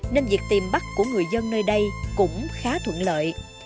nên việc tìm bắt của người dân nơi đây cũng khá thuận lợi